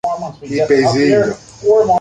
είπε η Ζήλιω.